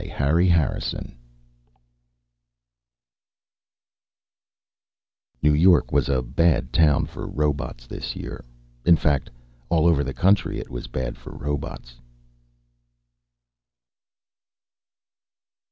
Harry Harrison_ New York was a bad town for robots this year. In fact, all over the country it was bad for robots....